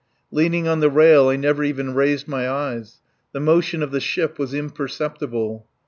Leaning on the rail I never even raised my eyes. The motion of the ship was imperceptible.